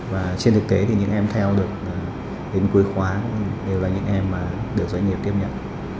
và trên thực tế thì những em theo được đến cuối khóa đều là những em mà được doanh nghiệp tiếp nhận